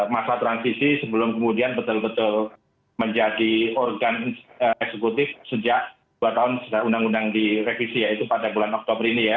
masa transisi sebelum kemudian betul betul menjadi organ eksekutif sejak dua tahun sejak undang undang direvisi yaitu pada bulan oktober ini ya